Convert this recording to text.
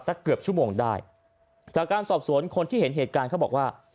เกือบชั่วโมงได้จากการสอบสวนคนที่เห็นเหตุการณ์เขาบอกว่า